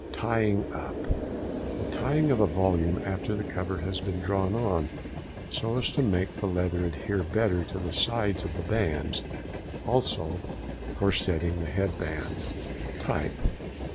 TYING UP.—The tying of a volume after the cover has been drawn on, so as to make the leather adhere better to the sides of the bands; also for setting the head band. TYPE.